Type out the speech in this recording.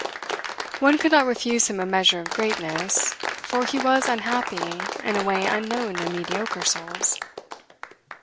One could not refuse him a measure of greatness, for he was unhappy in a way unknown to mediocre souls.